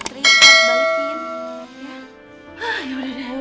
udah cepetan ya